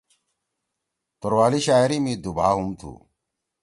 توروالی شاعری می دُوبھا ہُم تُھو۔